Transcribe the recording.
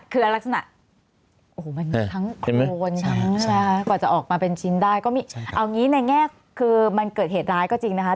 ก่อนจะออกมาเป็นชิ้นได้ก็ไม่เอาอย่างนี้ในแง่คือมันเกิดเหตุร้ายก็จริงนะคะ